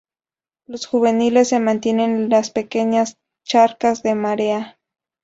Los juveniles se mantienen en las pequeñas charcas de marea.